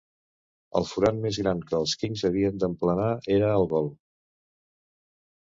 El forat més gran que els Kings havien d'emplenar era el gol.